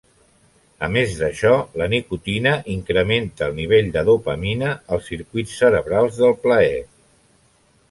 A més d'això, la nicotina incrementa el nivell de dopamina als circuits cerebrals del plaer.